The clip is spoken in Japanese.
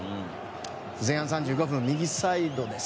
前半３５分、右サイドです。